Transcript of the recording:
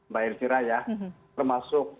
baik elvira ya termasuk